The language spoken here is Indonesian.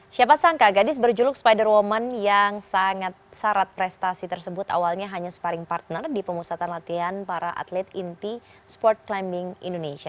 siapa sangka gadis berjuluk spider woman yang sangat syarat prestasi tersebut awalnya hanya sparring partner di pemusatan latihan para atlet inti sport climbing indonesia